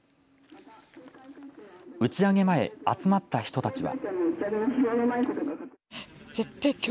打ち上げ前、集まった人たちは。